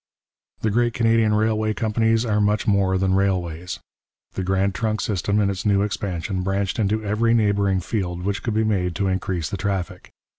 The great Canadian railway companies are much more than railways. The Grand Trunk system, in its new expansion, branched into every neighbouring field which could be made to increase the traffic.